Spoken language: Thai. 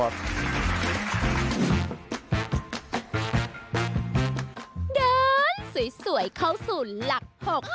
เดินสวยเข้าสู่หลัก๖